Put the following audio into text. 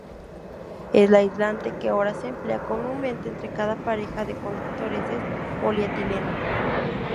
El aislante que ahora se emplea comúnmente entre cada pareja de conductores es polietileno.